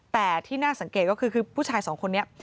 แต่ที่น่าสังเกตก็คือผู้ชายสองคนนี้